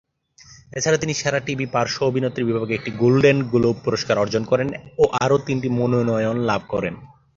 এছাড়া তিনি সেরা টিভি পার্শ্ব অভিনেত্রী বিভাগে একটি গোল্ডেন গ্লোব পুরস্কার অর্জন করেন ও আরও তিনটি মনোনয়ন লাভ করেন।